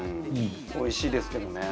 おいしいですけどね。